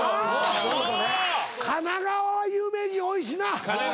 あ神奈川は有名人多いしな。